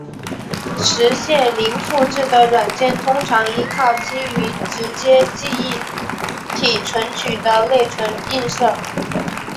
实现零复制的软件通常依靠基于直接记忆体存取的内存映射。